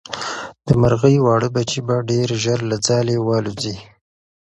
د مرغۍ واړه بچي به ډېر ژر له ځالې والوځي.